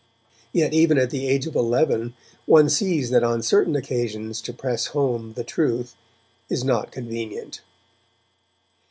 Yet even at the age of eleven one sees that on certain occasions to press home the truth is not convenient.